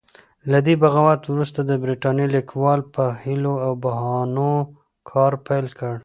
له دې بغاوت وروسته د برتانیې لیکوالو په حیلو او بهانو کار پیل کړ.